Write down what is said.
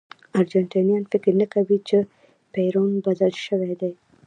ارجنټاینان فکر نه کوي چې پېرون بدل شوی دی.